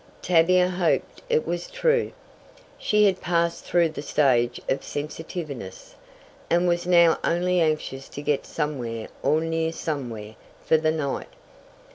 Tavia hoped it was true. She had passed through the stage of sensitiveness, and was now only anxious to get somewhere or near somewhere, for the night.